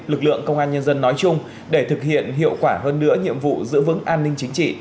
lực lượng công an nhân dân nói chung để thực hiện hiệu quả hơn nữa nhiệm vụ giữ vững an ninh chính trị